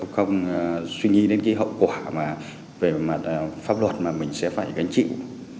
không suy nghĩ đến cái hậu quả mà về mặt pháp luật mà mình sẽ phải gánh chịu